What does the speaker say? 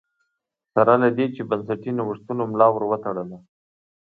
سره له دې چې بنسټي نوښتونو ملا ور وتړله